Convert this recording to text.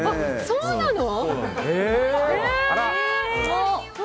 そうなの？